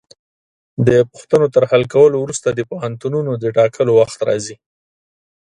د پوښتنو تر حل کولو وروسته د پوهنتونونو د ټاکلو وخت راځي.